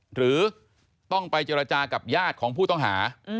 หรือต้องไปเจรจากับญาติของผู้ต้องหา